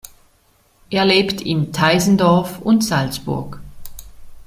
Er lebt in Teisendorf und Salzburg.